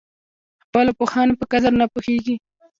خپلو پوهانو په قدر نه پوهېږي.